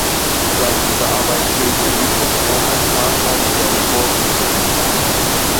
Seit dieser Arbeit gilt Lykophron als Vater dieser rhetorischen Kunstform.